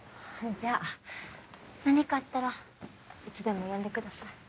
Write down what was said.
じゃあ何かあったらいつでも呼んでください。